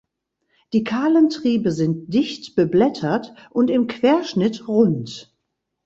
Die kahlen Triebe sind dicht beblättert und im Querschnitt rund.